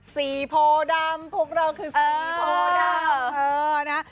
โพดำพวกเราคือสีโพดำ